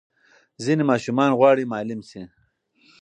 ځینې ماشومان غواړي معلم شي.